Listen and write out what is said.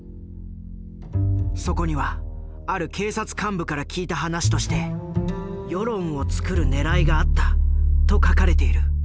そこにはある警察幹部から聞いた話として「世論をつくるねらいがあった」と書かれている。